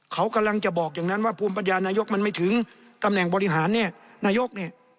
เขากำลังจะบอกอย่างนั้นว่าภูมิปัญญานายกมันไม่ถึงตำแหน่งบริหารเนี่ยนายกเนี่ย